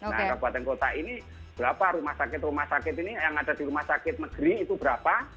nah kabupaten kota ini berapa rumah sakit rumah sakit ini yang ada di rumah sakit negeri itu berapa